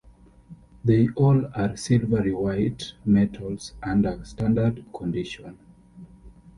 They all are silvery-white metals under standard conditions.